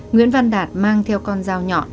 nguyễn văn đạt mang theo con dao nhọn